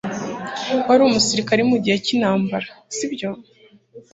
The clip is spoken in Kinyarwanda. Wari umusirikare mugihe cyintambara, sibyo?